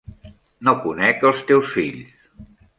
No conec els teus fills.